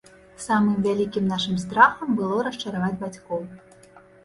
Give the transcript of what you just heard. Самым вялікім нашым страхам было расчараваць бацькоў.